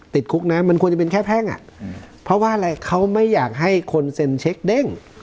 ติดคุกนะมันควรจะเป็นแค่แพ่งอ่ะเพราะว่าอะไรเขาไม่อยากให้คนเซ็นเช็คเด้ง